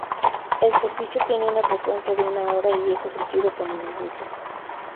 El servicio tiene una frecuencia de una hora y es ofrecido por minibuses.